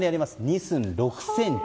２寸６ｃｍ。